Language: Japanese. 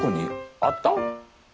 あった！